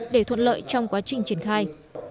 để thuận lợi